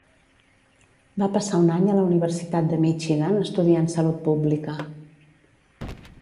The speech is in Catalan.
Va passar un any a la Universitat de Michigan estudiant salut pública.